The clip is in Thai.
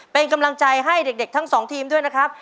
เป็นกำลังใจให้เด็กทั้งสองทีมด้วยนะครับ